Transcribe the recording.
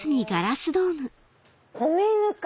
「米ぬか」。